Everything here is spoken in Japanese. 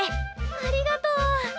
ありがとう！